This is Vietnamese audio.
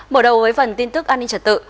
mở đầu với phần tin tức an ninh trật tự